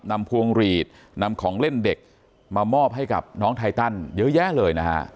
พวงหลีดนำของเล่นเด็กมามอบให้กับน้องไทตันเยอะแยะเลยนะฮะ